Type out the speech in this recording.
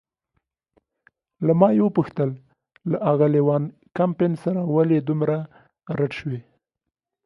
له ما یې وپوښتل: له آغلې وان کمپن سره ولې دومره رډ شوې؟